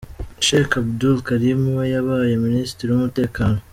Sheikh Abdul Karim we yabaye Minsitiri w’Umutekano.